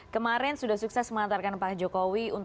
kemarin sudah sukses mengantarkan pak jokowi